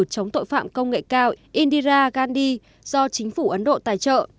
chống tội phạm công nghệ cao indira gandhi do chính phủ ấn độ tài trợ